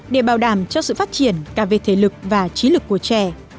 để bảo đảm cho sự phát triển cả về thể lực và trí lực của trẻ